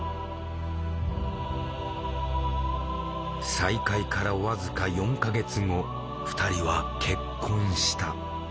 再会から僅か４か月後２人は結婚した。